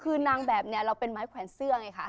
คือนางแบบนี้เราเป็นไม้แขวนเสื้อไงคะ